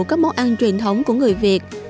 văn hóa của người việt